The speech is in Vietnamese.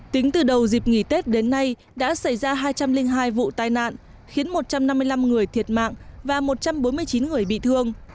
tính từ đầu dịp nghỉ tết đến nay đã xảy ra hai trăm linh hai vụ tai nạn khiến một trăm năm mươi năm người thiệt mạng và một trăm bốn mươi chín người bị thương